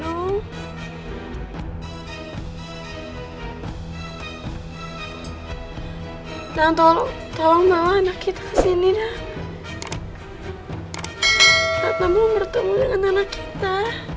hai dan tolong tolong anak kita sini dah ketemu bertemu dengan anak kita